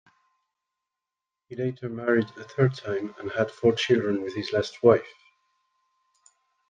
He later married a third time and had four children with his last wife.